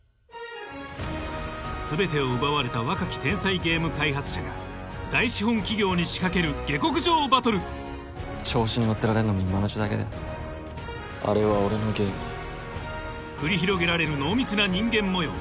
全てを奪われた若き天才ゲーム開発者が大資本企業に仕掛ける下剋上バトル調子に乗ってられるのも今のうちだけだあれは俺のゲームだ繰り広げられる濃密な人間模様